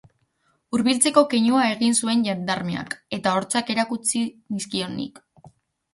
Hurbiltzeko keinua egin zuen jendarmeak eta hortzak erakutsi nizkion nik.